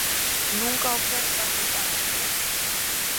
Nunca a oferta foi tan ampla.